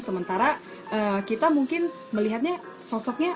sementara kita mungkin melihatnya sosoknya